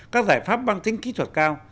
các giải pháp mang tính kỹ thuật cao